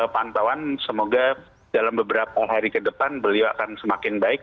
pantauan semoga dalam beberapa hari ke depan beliau akan semakin baik